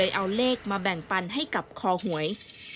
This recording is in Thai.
เอาเลขมาแบ่งปันให้กับคอหวย